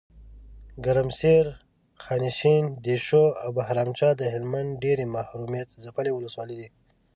ګرمسیر، خانشین، دیشو اوبهرامچه دهلمند ډیري محرومیت ځپلي ولسوالۍ دي .